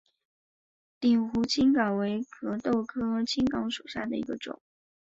鼎湖青冈为壳斗科青冈属下的一个种。